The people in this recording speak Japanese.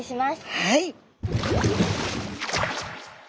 はい。